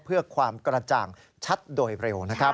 เพื่อความกระจ่างชัดโดยเร็วนะครับ